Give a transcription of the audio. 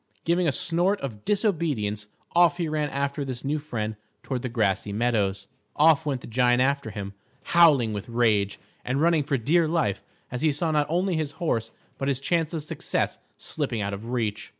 Giving a snort of disobedience, off he ran after this new friend toward the grassy meadows. Off went the giant after him, howling with rage, and running for dear life, as he saw not only his horse but his chance of success slipping out of reach.